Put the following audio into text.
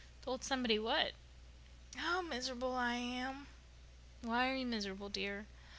"Told somebody what?" "How mis'rubul I am." "Why are you miserable, dear?"